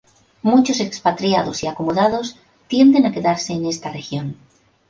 Muchos expatriados y acomodados tienden a quedarse en esta región.